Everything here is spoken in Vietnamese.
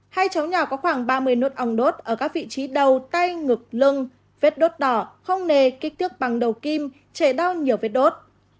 hai cháu nhỏ có khoảng ba mươi nốt ong đốt ở các vị trí đầu tay ngực lưng vết đốt đỏ không nề kích thước bằng đầu kim chảy đau nhiều vết đốt